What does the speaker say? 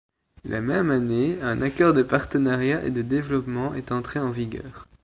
La même année, un accord de partenariat et de développement est entré en vigueur.